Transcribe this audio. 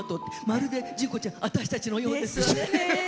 まるで詢子ちゃん私たちのようですね。